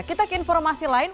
kita ke informasi lain